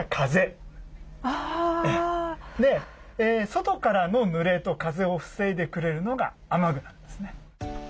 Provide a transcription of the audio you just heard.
外からの濡れと風を防いでくれるのが雨具なんですね。